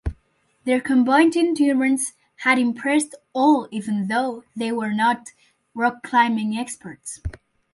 Their combined endurance had impressed all even though they were not rock climbing experts.